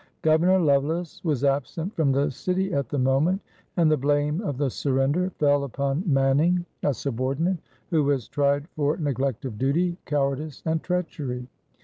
Governor Lovelace was absent from the city at the moment, and the blame of the surrender fell upon Manning, a subordinate, who was tried for neglect of duty, cowardice, and treachery.